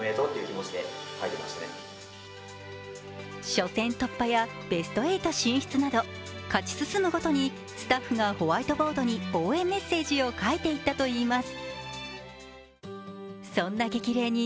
初戦突破やベスト８進出など、勝ち進むごとにスタッフがホワイトボードに応援メッセージを書いていったといいます。